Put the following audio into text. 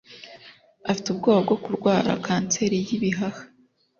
afite ubwoba bwo kurwara kanseri y'ibihaha